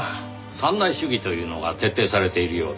「三ない主義」というのが徹底されているようですねぇ。